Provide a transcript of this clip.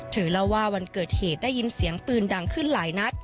เธอเล่าว่าวันเกิดเหตุได้ยินเสียงปืนดังขึ้นหลายนัด